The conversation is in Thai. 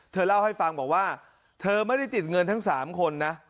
เธอเล่าให้ฟังบอกว่าเธอไม่ได้ติดเงินทั้ง๓คนนะ